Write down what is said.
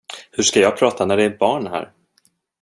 Hur ska jag prata när det är barn här?